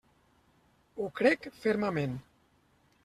Ho crec fermament.